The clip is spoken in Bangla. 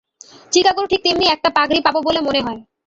চিকাগোর ঠিক তেমনি একটা পাগড়ি পাব বলে মনে হয়।